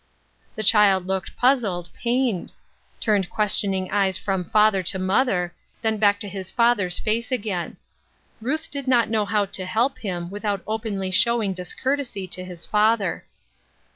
The child looked puzzled, pained ; turned ques tioning eyes from father to mother, then back to his father's face again. Ruth did not know how to help him without openly showing discourtesy to his father.